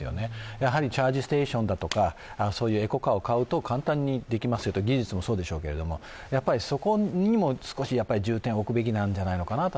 やはりチャージステーションとかそういうエコカーを買うと簡単にできますよと、技術もそうでしょうけれどもそこにも重点を置くべき何じゃないかなと。